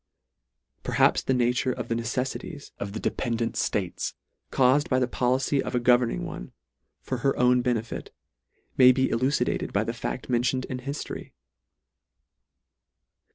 c Perhaps the nature of the neceffities of the dependant ftates, caufed by the policy of a governing one, for her own benefit, may be elucidated by a fact: mentioned in hiftory.